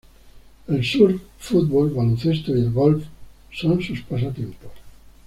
El surf, fútbol, baloncesto y el golf son sus pasatiempos.